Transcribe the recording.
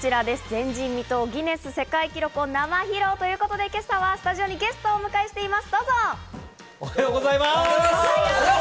前人未到、ギネス世界記録を生披露ということで、今朝はスタジオにゲストを迎えしてます。